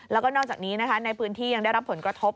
แล้วก็นอกจากนี้นะคะในพื้นที่ยังได้รับผลกระทบ